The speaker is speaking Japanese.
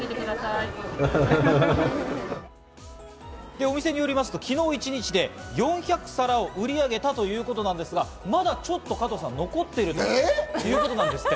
お店によりますと昨日一日で４００皿を売り上げたということなんですが、まだちょっと残っているということなんですね。